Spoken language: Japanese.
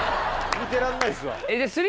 見てらんないですわ。